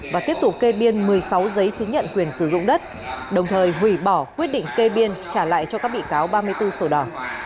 và tiếp tục kê biên một mươi sáu giấy chứng nhận quyền sử dụng đất đồng thời hủy bỏ quyết định kê biên trả lại cho các bị cáo ba mươi bốn sổ đỏ